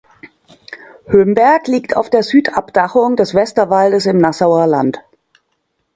Hömberg liegt auf der Südabdachung des Westerwaldes im Nassauer Land.